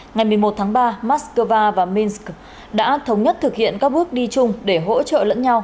ngày một mươi một tháng ba moscow và minsk đã thống nhất thực hiện các bước đi chung để hỗ trợ lẫn nhau